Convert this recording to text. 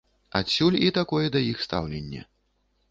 Адсюль і такое да іх стаўленне.